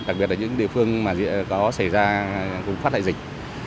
đặc biệt là những địa phương mà có xảy ra phát lại dịch